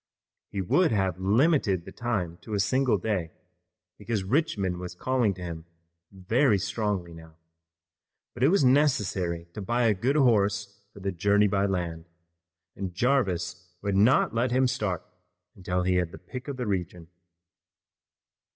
He would have limited the time to a single day, because Richmond was calling to him very strongly now, but it was necessary to buy a good horse for the journey by land, and Jarvis would not let him start until he had the pick of the region.